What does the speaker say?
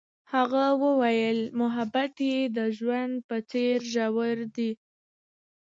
هغې وویل محبت یې د ژوند په څېر ژور دی.